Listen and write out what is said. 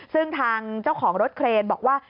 ซึ่งทางเจ้าของรถเครนบอกว่า